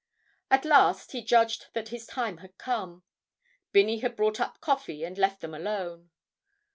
At last he judged that his time had come; Binney had brought up coffee and left them alone.